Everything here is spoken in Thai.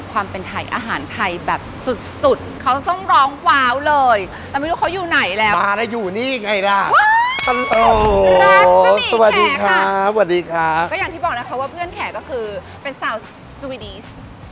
วันนี้จะพาเขาไปสัมผัสบรรยากาศ